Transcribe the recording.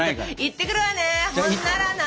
行ってくるわねほんならな。